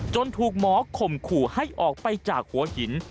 ถูกหมอข่มขู่ให้ออกไปจากหัวหิน